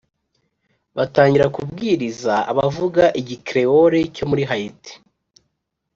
Batangira kubwiriza abavuga igikerewole cyo muri Hayiti